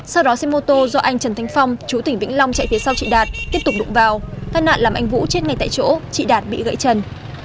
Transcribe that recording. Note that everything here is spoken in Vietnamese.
sau đó xe mô tô do anh trần thanh phong chú tỉnh vĩnh long chạy phía sau chị đạt tiếp tục đụng vào tai nạn làm anh vũ chết ngay tại chỗ chị đạt bị gãy chân